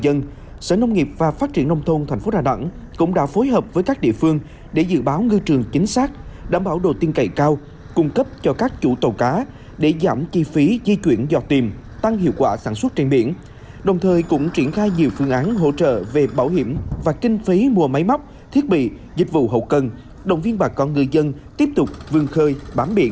tổng giám đốc công nghiệp và phát triển nông thôn tp đà nẵng cũng đã phối hợp với các địa phương để dự báo ngư trường chính xác đảm bảo độ tiên cậy cao cung cấp cho các chủ tàu cá để giảm chi phí di chuyển dò tiềm tăng hiệu quả sản xuất trên biển đồng thời cũng triển khai nhiều phương án hỗ trợ về bảo hiểm và kinh phí mua máy móc thiết bị dịch vụ hậu cân đồng viên bà con ngư dân tiếp tục vươn khơi và bám biển